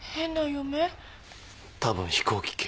多分飛行機系。